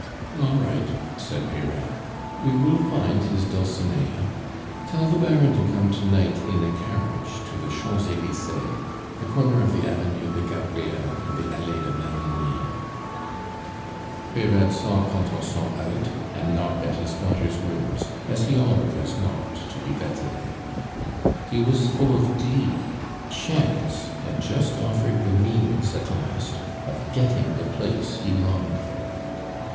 "All right," said Peyrade, "we will find his Dulcinea; tell the Baron to come to night in a carriage to the Champs Elysees the corner of the Avenue de Gabriel and the Allee de Marigny." Peyrade saw Contenson out, and knocked at his daughter's rooms, as he always knocked to be let in. He was full of glee; chance had just offered the means, at last, of getting the place he longed for.